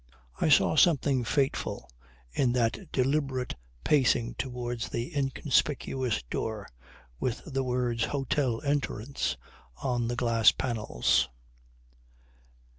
I saw something fateful in that deliberate pacing towards the inconspicuous door with the words Hotel Entrance on the glass panels.